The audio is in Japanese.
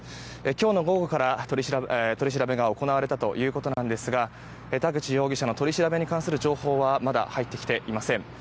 今日の午後から取り調べが行われたということですが田口容疑者の取り調べに関する情報はまだ入ってきていません。